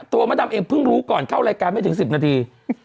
มดดำเองเพิ่งรู้ก่อนเข้ารายการไม่ถึง๑๐นาที